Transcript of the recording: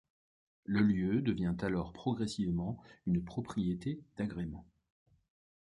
Le lieu devient alors progressivement une propriété d'agrément.